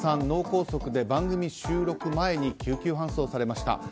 脳梗塞で番組収録前に救急搬送されました。